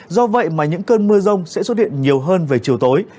do vậy mà những cơn mưa rông sẽ xuất hiện nhiều hơn về chiều tối